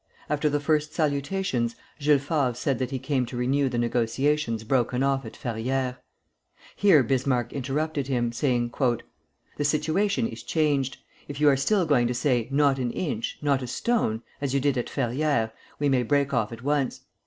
After the first salutations Jules Favre said that he came to renew the negotiations broken off at Ferrières. Here Bismarck interrupted him, saying: "The situation is changed. If you are still going to say, 'Not an inch, not a stone,' as you did at Ferrières, we may break off at once.